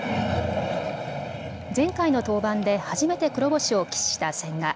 前回の登板で初めて黒星を喫した千賀。